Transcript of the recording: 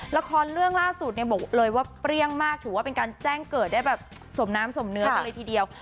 ละครเรื่องล่าสุดเนี่ยบอกเลยว่าเปรี้ยงมากถือว่าเป็นการแจ้งเกิดได้แบบสมน้ำสมเนื้อกันเลยทีเดียว